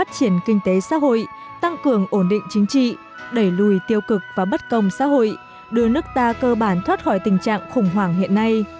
phát triển kinh tế xã hội tăng cường ổn định chính trị đẩy lùi tiêu cực và bất công xã hội đưa nước ta cơ bản thoát khỏi tình trạng khủng hoảng hiện nay